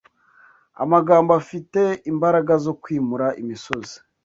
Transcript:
Amagambo afite imbaraga zo kwimura imisozi